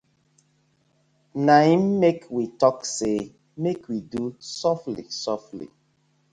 Na im mek we tok say mek we do sofly sofly.